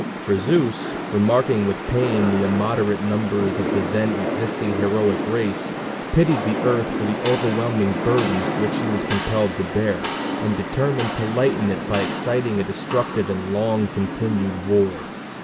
For Zeus, remarking with pain the immoderate numbers of the then existing heroic race, pitied the earth for the overwhelming burden which she was compelled to bear, and determined to lighten it by exciting a destructive and long continued war.